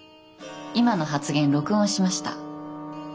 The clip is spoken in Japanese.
今の発言録音しました。